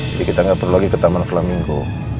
jadi kita gak perlu lagi ke taman flamingo